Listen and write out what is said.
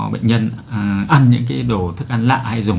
bệnh nhân ăn những cái đồ thức ăn lạ hay dùng